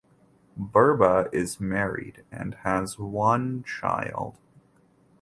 Burba is married and has one child.